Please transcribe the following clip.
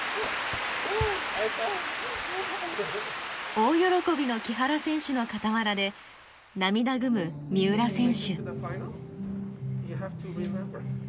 大喜びの木原選手の傍らで涙ぐむ三浦選手。